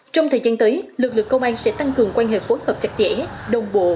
trong thời gian tới lực lượng công an sẽ tăng cường quan hệ phối hợp chặt chẽ đồng bộ